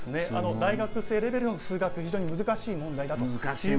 大学生レベルの数学非常に難しい問題